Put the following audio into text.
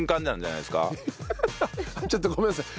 ちょっとごめんなさい。